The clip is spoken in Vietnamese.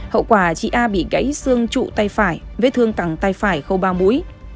hậu quả chị a bị gãy xương trụ tay phải vết thương tẳng tay phải khâu ba mũi